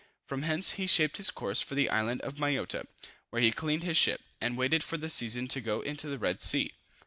From hence he shaped his course for the island of Mayotta, where he cleaned his ship, and waited for the season to go into the Red Sea.